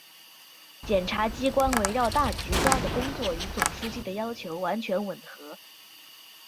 检察机关围绕大局抓的工作与总书记的要求完全吻合